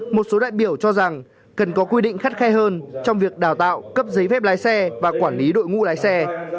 một số đại biểu cho rằng cần có quy định khắt khe hơn trong việc đào tạo cấp giấy phép lái xe và quản lý đội ngũ lái xe